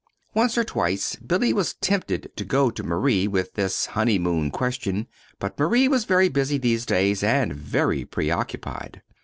Once or twice Billy was tempted to go to Marie with this honeymoon question; but Marie was very busy these days, and very preoccupied.